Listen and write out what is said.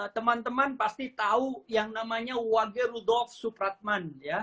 teman teman pasti tahu yang namanya wager rudolf supratman